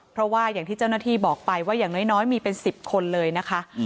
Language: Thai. เพราะว่าอย่างที่เจ้าหน้าที่บอกไปว่าอย่างน้อยมีเป็น๑๐คนเลยนะคะ